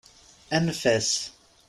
Anef-as.